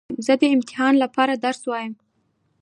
زه د امتحان له پاره درس وایم.